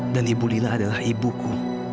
dan ibu lila adalah ibuku